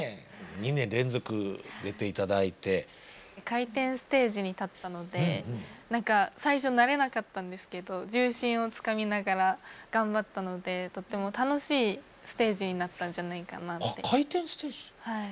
回転ステージに立ったので何か最初慣れなかったんですけど重心をつかみながら頑張ったのでとっても楽しいステージになったんじゃないかなって。